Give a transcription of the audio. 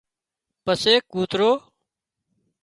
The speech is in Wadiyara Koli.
پسي ڪوترو